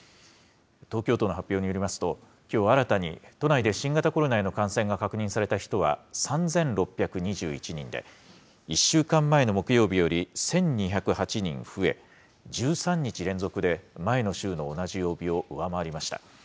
東京都の発表によりますと、きょう新たに都内で新型コロナへの感染が確認された人は３６２１人で、１週間前の木曜日より１２０８人増え、１３日連続で前の週の同じ曜日を上回りました。